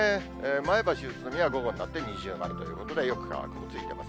前橋、宇都宮は午後になって二重丸ということで、よく乾くついてます。